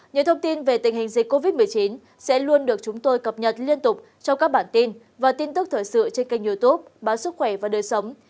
những thông tin về tình hình dịch covid một mươi chín sẽ luôn được chúng tôi cập nhật liên tục trong các bản tin và tin tức thời sự trên kênh youtube báo sức khỏe và đời sống